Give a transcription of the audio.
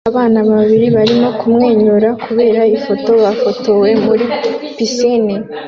Abana babiri barimo kumwenyura kubera ifoto bafotowe muri pisine